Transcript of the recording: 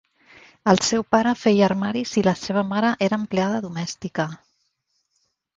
El seu pare feia armaris i la seva mare era empleada domèstica.